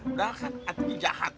udah kan hati hati jahat